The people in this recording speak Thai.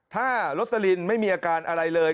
ถ้าโรสลินไม่มีอาการอะไรเลย